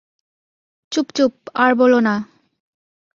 চুপ চুপ, আর বোলো না।